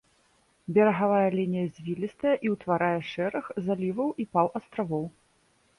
Берагавая лінія звілістая і ўтварае шэраг заліваў і паўастравоў.